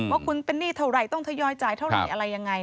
ว่าคุณเป็นหนี้เท่าไหร่ต้องทยอยจ่ายเท่าไหร่อะไรยังไง